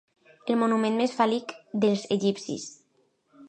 El monument més fàl·lic dels egipcis.